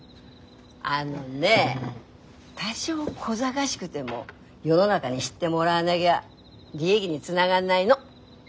あのね多少こざがしくても世の中に知ってもらわなぎゃ利益につながんないの。